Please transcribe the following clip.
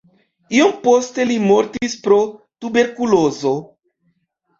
Iom poste li mortis pro tuberkulozo.